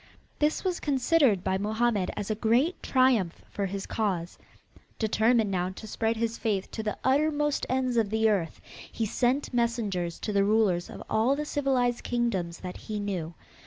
This was considered by Mohammed as a great triumph for his cause. Determined now to spread his faith to the uttermost ends of the earth, he sent messengers to the rulers of all the civilized kingdoms that he knew.